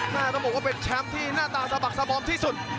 ต้องบอกว่าเป็นแชมป์ที่หน้าตาสะบักสบอมที่สุด